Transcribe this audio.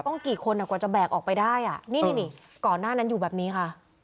กี่คนกว่าจะแบกออกไปได้อ่ะนี่ก่อนหน้านั้นอยู่แบบนี้ค่ะ